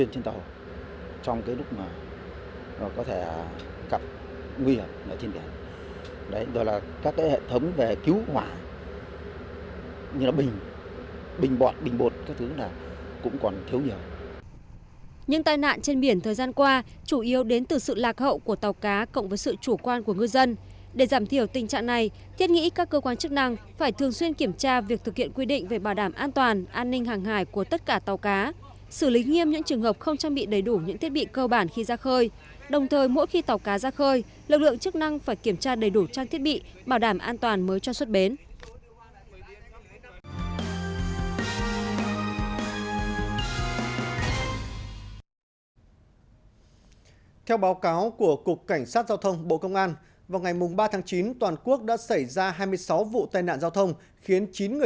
theo báo cáo của cục cảnh sát giao thông bộ công an vào ngày ba tháng chín toàn quốc đã xảy ra hai mươi sáu vụ tai nạn giao thông khiến chín người thiệt mạng và ba mươi một người bị thương